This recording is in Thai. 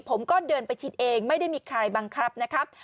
ผมก็เดินไปชิดเองไม่ได้มีใครบังคับนะครับ